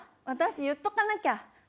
私言っとかなきゃ。